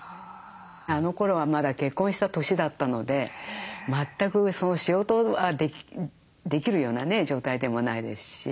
あのころはまだ結婚した年だったので全く仕事はできるような状態でもないですし。